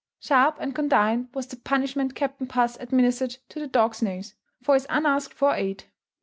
Sharp and condign was the punishment Captain Puss administered to that dog's nose, for his unasked for aid.